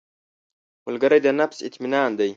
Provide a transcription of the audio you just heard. ملګری د نفس اطمینان دی